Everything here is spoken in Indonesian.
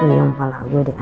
nah ini yang kepala gue deh